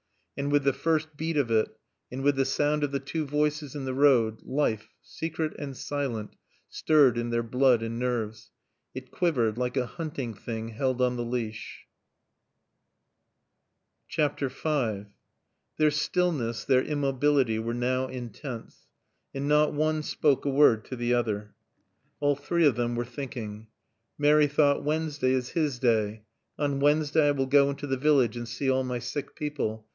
And with the first beat of it, and with the sound of the two voices in the road, life, secret and silent, stirred in their blood and nerves. It quivered like a hunting thing held on the leash. V Their stillness, their immobility were now intense. And not one spoke a word to the other. All three of them were thinking. Mary thought, "Wednesday is his day. On Wednesday I will go into the village and see all my sick people.